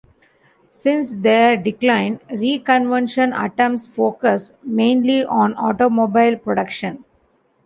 Since their decline, reconversion attempts focus mainly on automobile production.